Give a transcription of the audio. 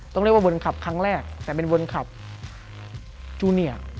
ต้องเรียกว่าวนขับครั้งแรกแต่เป็นวนขับจูเนีย